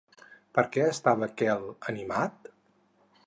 Per què estava Quel animat?